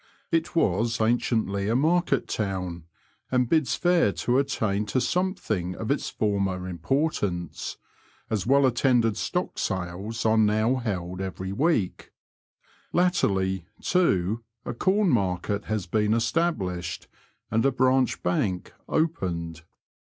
It was anciently a market town, and bids fair to attain to something of its former importance, as well attended stock sales are now held every week ; latterly, too, a com market has been established, and a branch bank opened.